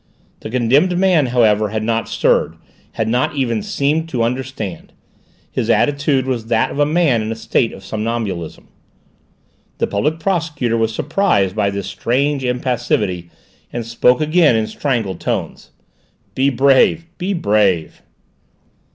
The condemned man, however, had not stirred, had not even seemed to understand: his attitude was that of a man in a state of somnambulism. The Public Prosecutor was surprised by this strange impassivity and spoke again, in strangled tones. "Be brave! Be brave!"